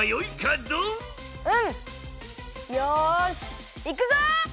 うん！よしいくぞ！